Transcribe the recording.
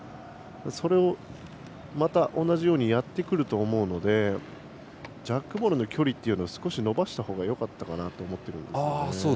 それをまた同じようにやってくると思うのでジャックボールの距離というのを少し伸ばしたほうがよかったかなと思っているんですけどね。